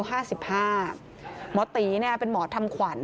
หมอตีเป็นหมอทำขวัญ